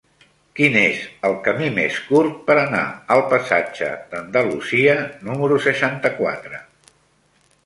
Quin és el camí més curt per anar al passatge d'Andalusia número seixanta-quatre?